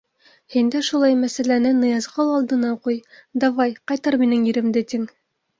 Һин дә шул мәсьәләне Ныязғол алдына ҡуй, давай, ҡайтар минең еремде, тиң.